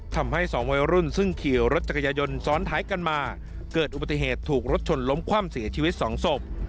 ถูกรถชนล้มคว่ำเสียชีวิตสองศพ